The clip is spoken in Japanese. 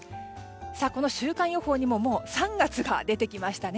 この週間予報にも３月が出てきましたね。